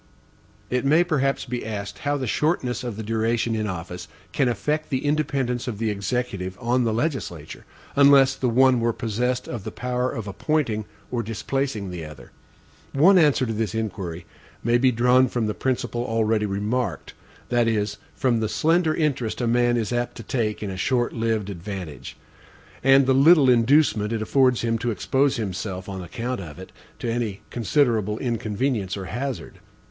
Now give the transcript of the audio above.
It may perhaps be asked, how the shortness of the duration in office can affect the independence of the Executive on the legislature, unless the one were possessed of the power of appointing or displacing the other. One answer to this inquiry may be drawn from the principle already remarked that is, from the slender interest a man is apt to take in a short lived advantage, and the little inducement it affords him to expose himself, on account of it, to any considerable inconvenience or hazard.